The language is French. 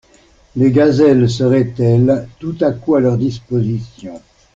Les gazelles seraient-elles tout à coup à leur disposition?